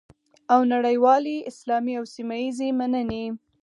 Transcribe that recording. او نړیوالې، اسلامي او سیمه ییزې مننې